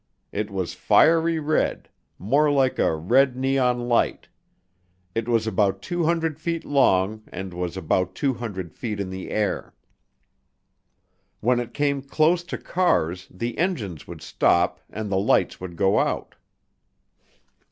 It was fiery red, more like a red neon light. It was about 200 feet long and was about 200 feet in the air. When it came close to cars the engines would stop and the lights would go out."